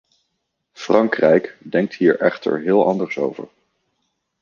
Frankrijk denkt hier echter heel anders over.